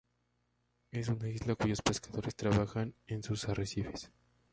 Es una isla cuyos pescadores trabajan en sus arrecifes.